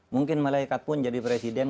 mungkin malaikat pun jadi presiden